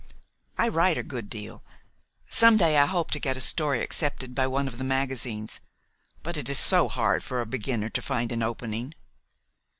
"I write a good deal. Some day I hope to get a story accepted by one of the magazines; but it is so hard for a beginner to find an opening."